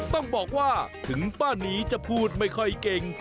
ต้องบอกว่าถึงป้านีจะพูดไม่ค่อยเก่ง